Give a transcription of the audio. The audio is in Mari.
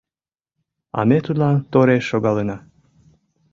А ме тудлан тореш шогалына.